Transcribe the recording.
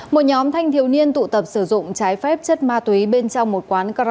một nhóm thanh thiếu niên tụ tập sử dụng trái phép chất ma túy bên trong một quán karaok